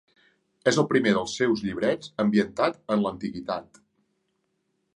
És el primer dels seus llibrets ambientat en l'Antiguitat.